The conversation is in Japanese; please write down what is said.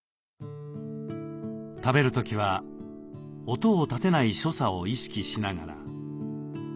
食べる時は音を立てない所作を意識しながら。